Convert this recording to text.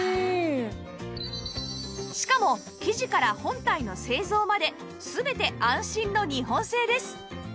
しかも生地から本体の製造まで全て安心の日本製です